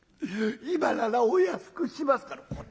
今ならお安くしますから」。